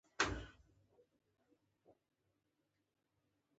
خپل کرنیز محصولات پرمختللو هیوادونو ته صادروي.